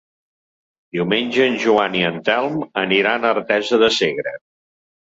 Diumenge en Joan i en Telm aniran a Artesa de Segre.